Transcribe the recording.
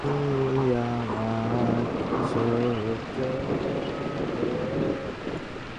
তিনি দক্ষিণ আফ্রিকা সফর করেন।